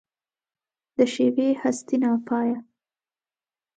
د ښېوې هستي ناپایه